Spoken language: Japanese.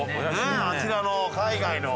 あちらの海外の。